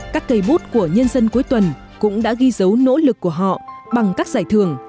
các cây bút của nhân dân cuối tuần cũng đã ghi dấu nỗ lực của họ bằng các giải thưởng